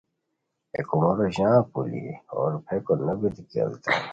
ہے کومورو ژان پولوئی ہو روپھئیکو نوبیتی کیڑیتائے